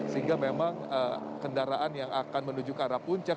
sehingga memang kendaraan yang akan menuju ke arah puncak